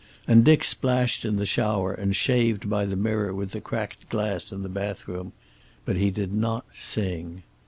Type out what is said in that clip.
And Dick splashed in the shower, and shaved by the mirror with the cracked glass in the bathroom. But he did not sing.